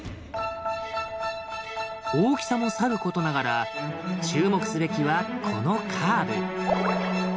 大きさもさることながら注目すべきはこのカーブ。